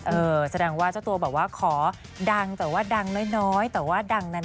เออแสดงว่าเจ้าตัวบอกว่าขอดังแต่ว่าดังน้อยแต่ว่าดังนาน